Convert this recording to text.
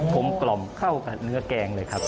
ลมกล่อมเข้ากับเนื้อแกงเลยครับ